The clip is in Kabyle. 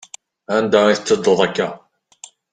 Anda i tettedduḍ akka?